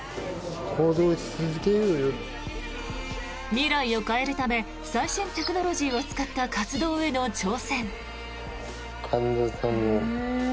未来を変えるため最新テクノロジーを使った活動への挑戦。